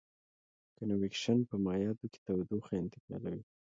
کنویکشن په مایعاتو کې تودوخه انتقالوي.